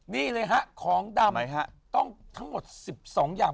นี่เลยฮะของดำอะไรฮะต้องทั้งหมดสิบสองอย่าง